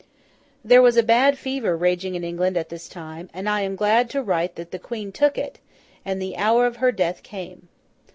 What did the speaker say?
There was a bad fever raging in England at this time, and I am glad to write that the Queen took it, and the hour of her death came.